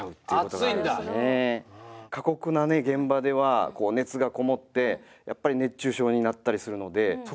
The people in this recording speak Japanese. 過酷な現場では熱がこもってやっぱり熱中症になったりするのでそこでですね